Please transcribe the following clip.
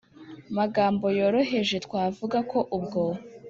magambo yoroheje twavuga ko ubwo